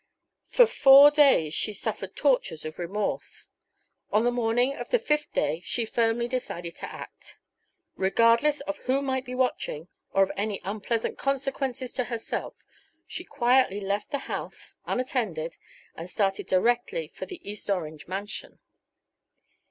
For four days she suffered tortures of remorse. On the morning of the fifth day she firmly decided to act. Regardless of who might be watching, or of any unpleasant consequences to herself, she quietly left the house, unattended, and started directly for the East Orange mansion.